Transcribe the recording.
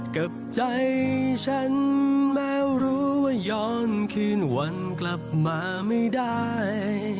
กับใจฉันแล้วรู้ว่าย้อนคืนวันกลับมาไม่ได้